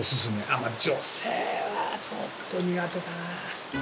あっまあ女性はちょっと苦手かな。